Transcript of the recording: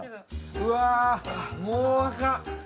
うわあ、もうあかん。